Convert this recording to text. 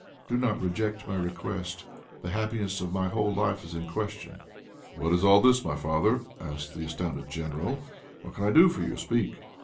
Do not reject my request; the happiness of my whole life is in question." "What is all this, my father?" asked the astounded General. "What can I do for you? Speak."